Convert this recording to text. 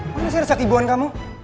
mana sih rasa kehibuan kamu